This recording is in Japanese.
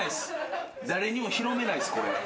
誰にも広めないっすこれ。